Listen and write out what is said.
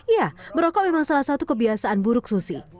ya merokok memang salah satu kebiasaan buruk susi